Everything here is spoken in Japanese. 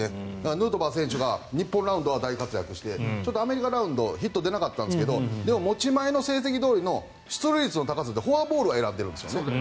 ヌートバー選手が日本ラウンドは大活躍してアメリカラウンドヒットは出なかったんですけどでも持ち前の成績どおりの出塁率の高さってフォアボールを選んでいるんですよね。